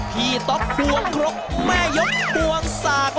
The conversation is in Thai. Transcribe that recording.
พี่ต๊อกพวงครกแม่ยกควงศาตร